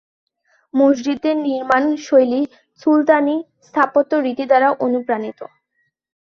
মসজিদটির নির্মাণ শৈলী সুলতানি স্থাপত্য রীতি দ্বারা অনুপ্রাণিত।